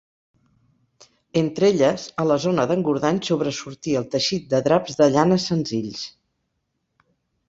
Entre elles, a la zona d'Engordany sobresortí el teixit de draps de llana senzills.